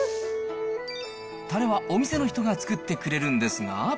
たれはお店の人が作ってくれるんですが。